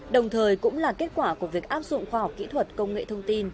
đồng thời cũng là kết quả của việc áp dụng khoa học kỹ thuật công nghệ thông tin